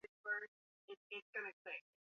baina ya Marekani na Iran pamoja na Korea kaskazini